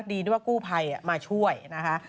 ดีด้วยว่ากู้ภัยมาช่วยนะคะ